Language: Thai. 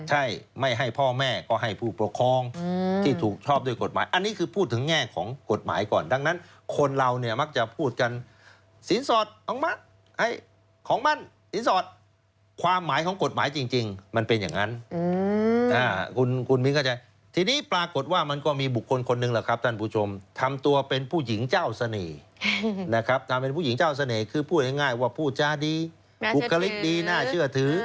ใช่ไม่ให้พ่อแม่ก็ให้ผู้ประคองที่ถูกชอบด้วยกฎหมายอันนี้คือพูดถึงแง่ของกฎหมายก่อนดังนั้นคนเราเนี่ยมักจะพูดกันศีลสอดออกมาของมั่นศีลสอดความหมายของกฎหมายจริงมันเป็นอย่างนั้นคุณมิ้นเข้าใจทีนี้ปรากฎว่ามันก็มีบุคคลคนหนึ่งแหละครับท่านผู้ชมทำตัวเป็นผู้หญิงเจ้าเสนี่นะครับทำเป็นผู้